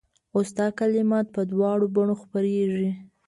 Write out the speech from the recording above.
اوس دا کلمات په دواړو بڼو خپرېږي.